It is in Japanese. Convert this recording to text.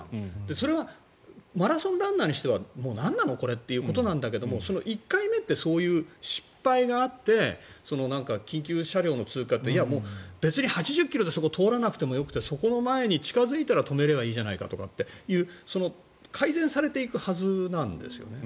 それはマラソンランナーにしてみたらもうなんなの、これっていうことなんだけど１回目ってそういう失敗があって緊急車両の通過って別に８０ｋｍでそこを通らなくてもよくてそこの前に近付いたら止めればいいじゃないかっていう改善されていくはずなんですよね。